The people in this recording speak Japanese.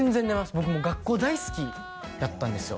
僕学校大好きやったんですよ